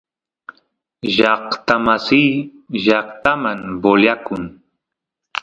llaqtamasiy llaqtaman voliyakun